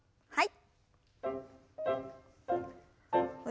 はい。